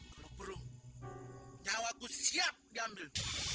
kalau perlu nyawaku siap diambil